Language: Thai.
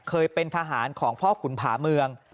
เคยเป็นทหารของพ่อขุนผาเมือง